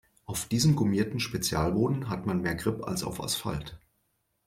Auf diesem gummierten Spezialboden hat man mehr Grip als auf Asphalt.